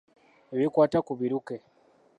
Ebikwata ku biruke.